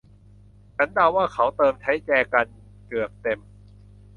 ฉันเดาว่าเขาเติมใช้แจกันเกือบเต็ม